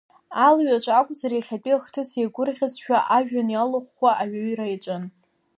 Алҩаҵә акәзар, иахьатәи ахҭыс еигәырӷьазшәа ажәҩан иалахәхәа аҩеира иаҿын.